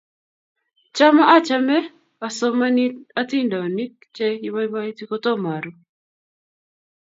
Cham achame asomani atindyonik che ipoipoiti kotom aru.